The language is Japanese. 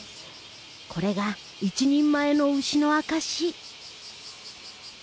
これが一人前の牛の証し。